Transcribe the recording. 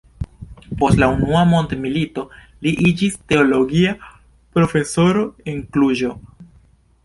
Post la unua mondmilito li iĝis teologia profesoro en Kluĵo.